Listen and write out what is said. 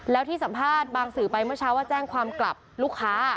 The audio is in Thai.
แล้วที่สัมภาษณ์บางสื่อไปเมื่อเช้าว่าแจ้งความกลับลูกค้า